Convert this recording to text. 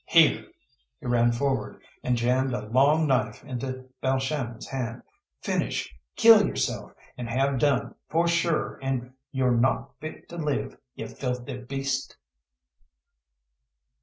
Here!" He ran forward, and jammed a long knife into Balshannon's hand. "Finish! Kill yourself, and have done, for shure an' you're not fit to live, ye filthy beast!"